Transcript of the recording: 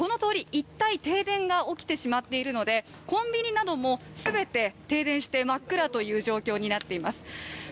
またこの通り一帯停電が起きてしまっているので、コンビニなども含めて停電して真っ暗という状況になっています。